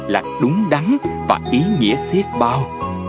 là đúng đắn và ý nghĩa siết bao